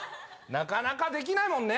なかなかできないもんね。